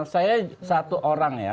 saya satu orang ya